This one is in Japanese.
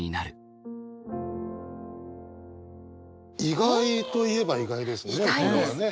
意外と言えば意外ですね。